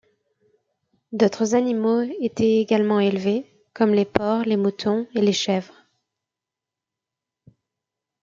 D'autre animaux étaient également élevés, comme les porcs, les moutons et les chèvres.